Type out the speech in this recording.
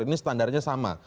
ini standarnya sama